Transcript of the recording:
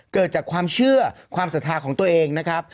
เกิดจากความเชื่อความศรัทธาของตัวเองนะครับ